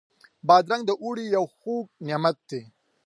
بادرنګ د اوړي یو خوږ نعمت دی.